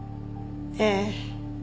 ええ。